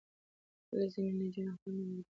ولې ځینې نجونې خپل نوم بدلوي؟